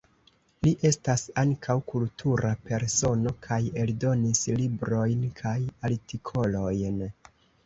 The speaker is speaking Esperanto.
Li estas ankaŭ kultura persono kaj eldonis librojn kaj artikolojn.